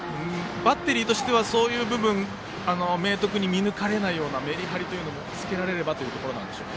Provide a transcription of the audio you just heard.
バッテリーとしてはそういう部分明徳に見抜かれないようなメリハリもつけられればというところでしょうか。